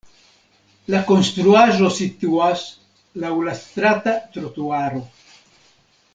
La konstruaĵo situas laŭ la strata trotuaro.